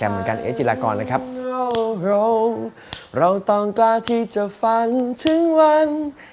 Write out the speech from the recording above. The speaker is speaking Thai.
เหมือนกันเอ๊จิลากรเลยครับผมเราต้องกล้าที่จะฝันถึงวัน